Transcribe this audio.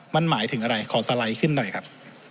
มันหมายถึงอะไรขอสไลด์ขึ้นหน่อยครับ